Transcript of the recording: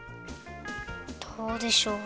どうでしょう？